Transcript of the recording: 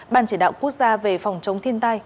ban chỉ đạo quốc gia về phòng chống thiên tai